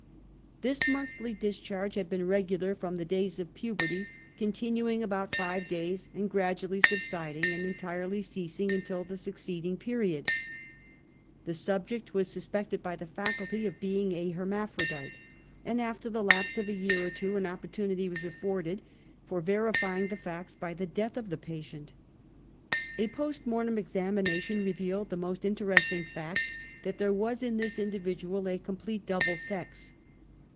This monthly discharge had been regular from the days of puberty, continuing about five days, and gradually subsiding and entirely ceasing until the succeeding period. The subject was suspected by the faculty of being \a hermaphrodite, and after the lapse of a year or two an opportunity was aftbrded for veri^dug the facts, by the death of the patient. A post mortem examination revealed the most in teresting fact that there was in this individual, a complete double sex.